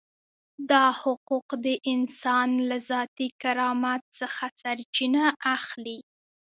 دا حقوق د انسان له ذاتي کرامت څخه سرچینه اخلي.